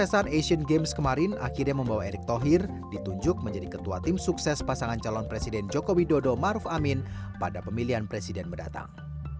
kesuksesan asian games kemarin akhirnya membawa erick thohir ditunjuk menjadi ketua tim sukses pasangan calon presiden jokowi dodo maruf amin pada pemilihan presiden berdatang